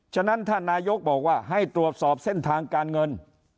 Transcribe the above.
ฉะนั้นท่านนายกบอกว่าให้ตรวจสอบเส้นทางการเงิน